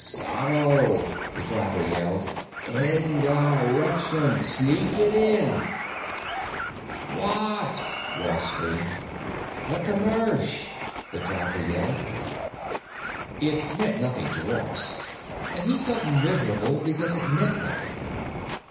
"Subtle," the driver yelled. "Indirection. Sneak it in." "What?" Ross screamed. "The commersh," the driver yelled. It meant nothing to Ross, and he felt miserable because it meant nothing.